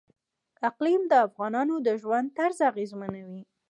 اقلیم د افغانانو د ژوند طرز اغېزمنوي.